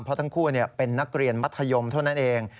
เพราะทั้งคู่เป็นนักเรียนมัธยมเท่านั้นเอง